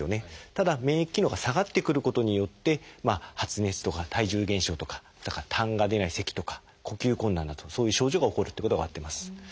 ただ免疫機能が下がってくることによって発熱とか体重減少とかたんが出ないせきとか呼吸困難だとかそういう症状が起こるってことが分かってます。